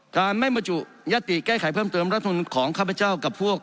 การไม่บรรจุยติแก้ไขเพิ่มเติมรัฐมนุนของข้าพเจ้ากับพวก